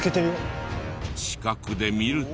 近くで見ると。